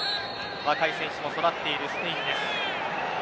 若い選手も育っているスペインです。